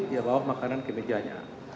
dia bawa makanan ke mejanya